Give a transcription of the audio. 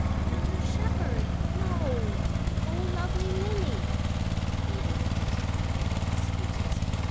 "Tender Shepperd, no! Oh, luvvly lily!" Evu wonders if we are making excuses.